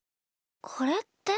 これって？